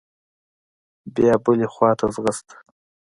بيا بلې خوا ته ځغسته.